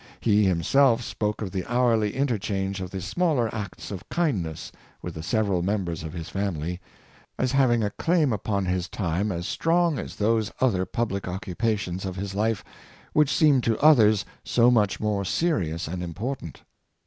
He himself spoke of the hourly interchange of the smaller acts of kindness with the several members of his family, as having a claim upon his time as strong as those other public occupations of his life which seemed to others so much more serious and important.